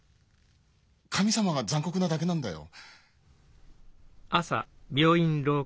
神様が残酷なだけなんだよ。